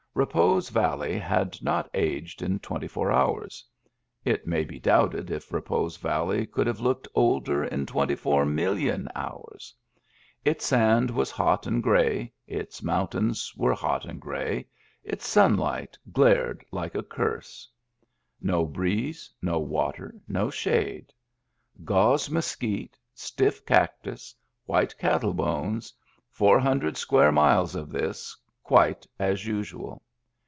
Repose Valley had not aged in twenty four hours ; it may be doubted if Repose Valley could have looked older in twenty four million hours. Its sand was hot and gray, its mountains were hot and gray, its sunlight glared like a curse. No breeze, no water, no shade; gauze mesquite, stiff cactus, white cattle bones — four hundred square miles of this, quite as usual.